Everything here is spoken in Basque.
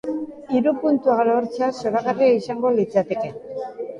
Hiru puntuak lortzea zoragarria izango litzateke.